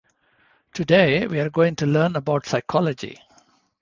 Today, we're going to learn about psychology.